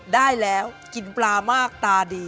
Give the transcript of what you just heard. ได้แล้วกินปลามากตาดี